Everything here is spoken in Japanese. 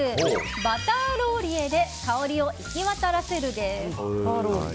バターローリエで香りを行き渡らせる！です。